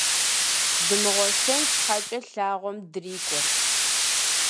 Дымыгъуэщэн щхьэкӏэ лъагъуэм дрикӀуэрт.